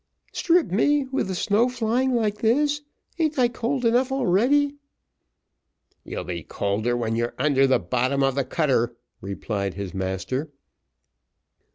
"Strip me, with the snow flying like this! An't I cold enough already?" "You'll be colder when you're under the bottom of the cutter," replied his master.